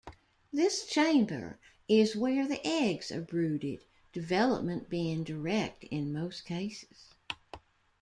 This chamber is where the eggs are brooded, development being direct in most cases.